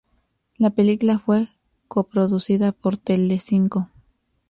La película fue coproducida por Telecinco.